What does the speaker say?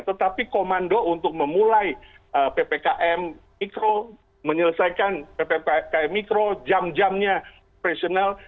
tetapi komando untuk memulai ppkm mikro menyelesaikan ppkm mikro jam jamnya operasional